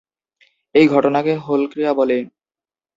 এই ঘটনাকে হল ক্রিয়া বলে।